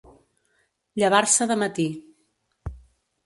Llevar-se de matí.